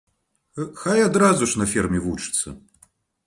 Хай адразу ж на ферме вучыцца!